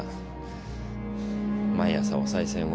毎朝おさい銭を。